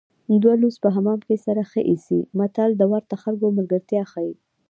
دوه لوڅ په حمام کې سره ښه ایسي متل د ورته خلکو ملګرتیا ښيي